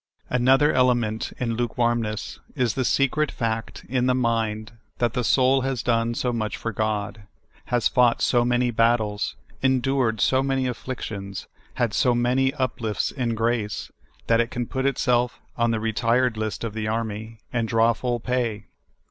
Another element in lukewannness is the secret fact in the mind that the soul has done so much for God, LUKEWARMNESS. 3 1 has fought so many battles, endured so many afflic tions, had so many uplifts in grace, that it can put itself on the retired list of the army and draw full pay.